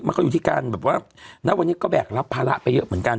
มันก็อยู่ที่การแบบว่าณวันนี้ก็แบกรับภาระไปเยอะเหมือนกัน